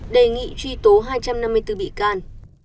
đề nghị truy tố hai trăm năm mươi bốn bị can